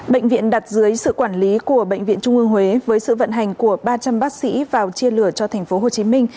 bệnh viện đặt dưới sự quản lý của bệnh viện trung ương huế với sự vận hành của ba trăm linh bác sĩ vào chia lửa cho tp hcm